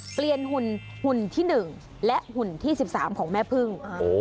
เปลี่ยนหุ่นหุ่นที่๑และหุ่นที่๑๓ของแม่พึ่ง